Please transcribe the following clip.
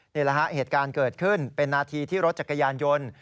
นี่แหละฮะเหตุการณ์เกิดขึ้นเป็นนาทีที่รถจักรยานยนต์